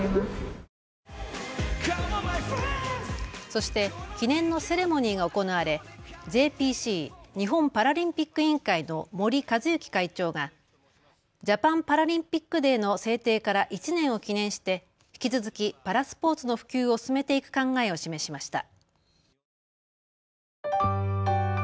そして記念のセレモニーが行われＪＰＣ・日本パラリンピック委員会の森和之会長がジャパンパラリンピックデーの制定から１年を記念して引き続きパラスポーツの普及を進めていく考えを示しました。